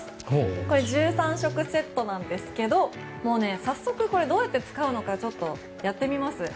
これ、１３色セットなんですけど早速、これをどうやって使うのかやってみます。